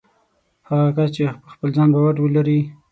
هغه کس چې په خپل ځان باور ولري